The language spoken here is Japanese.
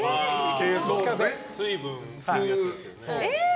水分吸うやつですよね。